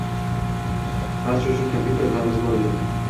barcha uchun kompyuterlarimiz bor edi.